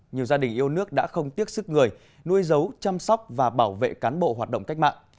nhiều gia đình yêu nước đã không tiếc sức người nuôi dấu chăm sóc và bảo vệ cán bộ hoạt động cách mạng